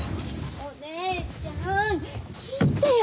お姉ちゃん聞いてよ！